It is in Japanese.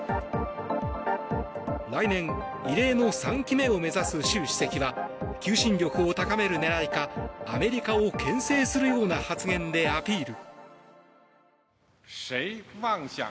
来年、異例の３期目を目指す習主席は求心力を高める狙いかアメリカをけん制するような発言でアピール。